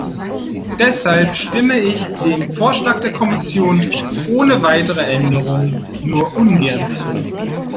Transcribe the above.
Deshalb stimme ich dem Vorschlag der Kommission ohne weitere Änderungen nur ungern zu.